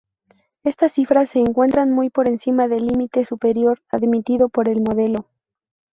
Estas cifras se encuentran muy por encima del límite superior admitido por el modelo.